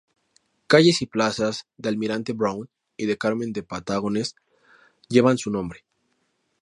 Calles y plazas de Almirante Brown y de Carmen de Patagones llevan su nombre.